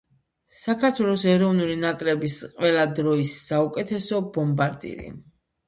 საქართველოს ეროვნული ნაკრების ყველა დროის საუკეთესო ბომბარდირი.